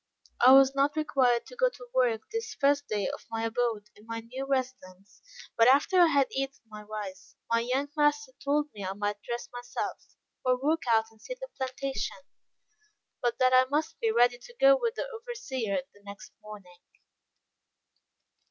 I was not required to go to work this first day of my abode in my new residence; but after I had eaten my rice, my young master told me I might rest myself or walk out and see the plantation, but that I must be ready to go with the overseer the next morning.